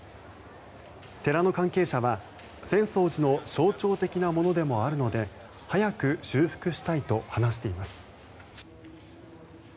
寺の関係者は、浅草寺の象徴的なものでもあるので早く修復したいと話しています。